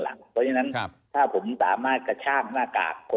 และก็สปอร์ตเรียนว่าคำน่าจะมีการล็อคกรมการสังขัดสปอร์ตเรื่องหน้าในวงการกีฬาประกอบสนับไทย